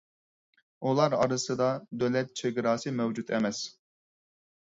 ئۇلار ئارىسىدا دۆلەت چېگراسى مەۋجۇت ئەمەس.